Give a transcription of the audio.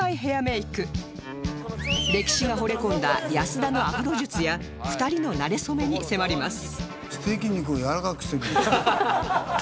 レキシが惚れ込んだ安田のアフロ術や２人のなれ初めに迫ります